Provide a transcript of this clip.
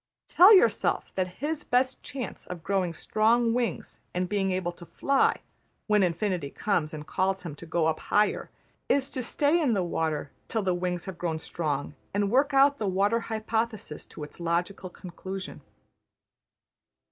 Tell yourself that his best chance of growing strong wings and being able to fly, when Infinity comes and calls him to go up higher, is to stay in the water till the wings have grown strong and work out the water hypothesis to its logical conclusion.